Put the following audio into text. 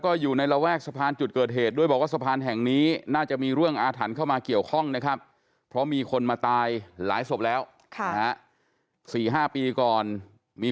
ก็ต้องคิดว่าต้องพึ่งสิ่งศักดิ์สิทธิ์แล้วแหละตอนนั้นใช่เพราะว่าหายังไง